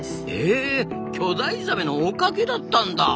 え巨大ザメのおかげだったんだ。